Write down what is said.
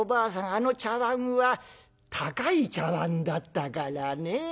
あの茶碗は高い茶碗だったからね。